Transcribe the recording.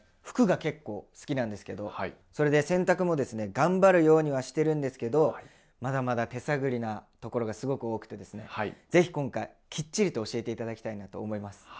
服が結構好きなんですけどそれで洗濯もですね頑張るようにはしてるんですけどまだまだ手探りなところがすごく多くてですね是非今回キッチリと教えて頂きたいなと思います。